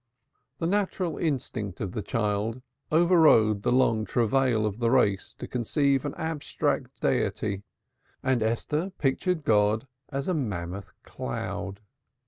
The natural instinct of the child over rode the long travail of the race to conceive an abstract Deity, and Esther pictured God as a mammoth cloud.